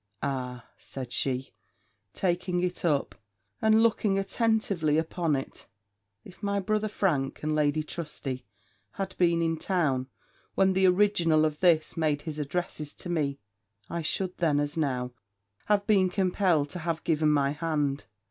'Ah!' said she, taking it up, and looking attentively upon it, 'if my brother Frank and Lady Trusty had been in town when the original of this made his addresses to me, I should then, as now, have been compelled to have given my hand.